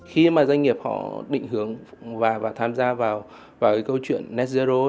khi mà doanh nghiệp họ định hướng và tham gia vào câu chuyện net zero